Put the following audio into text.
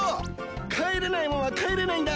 帰れないものは帰れないんだ。